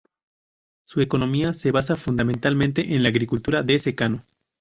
Su economía se basa fundamentalmente en la agricultura de secano.